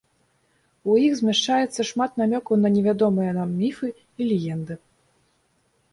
У іх змяшчаецца шмат намёкаў на невядомыя нам міфы і легенды.